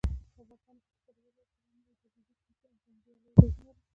د افغانستان د شاته پاتې والي یو ستر عامل ایډیالوژیک جنګیالیو روزنه ده.